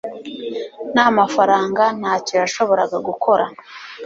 nta mafaranga, ntacyo yashoboraga gukora